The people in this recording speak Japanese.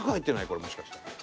これもしかして。